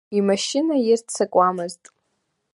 Имашьына ирццакуамызт.